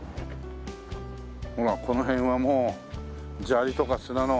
ほらこの辺はもう砂利とか砂の。